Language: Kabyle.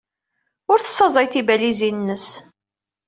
Ur tessaẓay tibalizin-nnes.